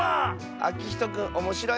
あきひとくんおもしろいはっけん